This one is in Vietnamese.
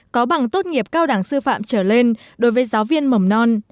có bằng tốt nghiệp cao đẳng sư phạm trở lên đối với giáo viên mầm non